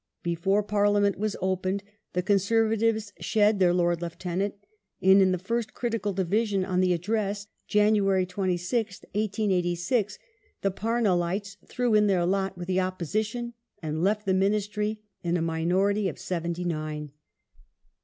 Before Parliament was opened the Conservatives shed their Lord Lieutenant, and in the first critical division on the Address (Jan. 26th, 1886) the Parnellites threw in their lot with the Opposition and left the Ministry in a minority of seventy nine.